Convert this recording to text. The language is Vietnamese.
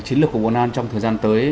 chiến lược của bộ an trong thời gian tới